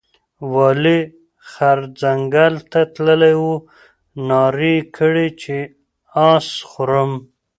وايې خر ځنګل ته تللى وو نارې یې کړې چې اس خورم،